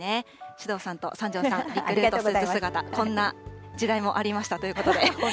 首藤さんと三條さん、リクルートスーツ姿、こんな時代もありましたということで。